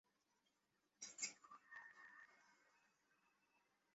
এইদিকে, আসেন।